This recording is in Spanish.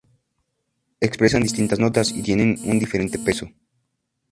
Expresan distintas notas y tienen un diferente peso.